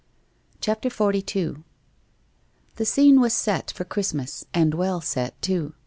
CHAPTER XLII The scene was set for Christmas, and well set too.